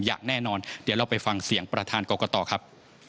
อย่างแน่นอนเดี๋ยวเราไปฟังเสียงประธานกรกตครับ